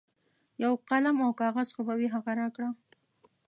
یو قلم او کاغذ خو به وي هغه راکړه.